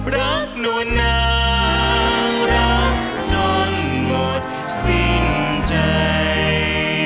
รักนวลนางรักจนหมดสิ้นใจ